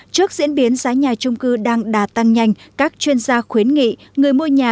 trước diễn biến giá nhà trung cư đang đà tăng nhanh các chuyên gia khuyến nghị người mua nhà